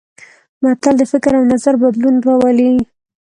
متل د فکر او نظر بدلون راولي